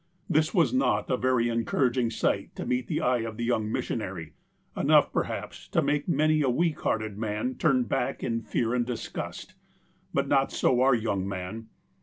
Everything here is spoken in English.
This was not a very encouraging sight to meet the eye of the young missionary — enough, perhaps, to make many a weak hearted man turn back in fear and disgust. But not so our young man.